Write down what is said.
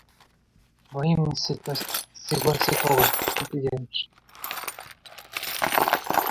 Во имя всего святого, что ты делаешь!?